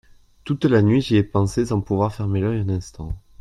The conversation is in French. Toute la nuit j’y ai pensé sans pouvoir fermer l’œil un instant.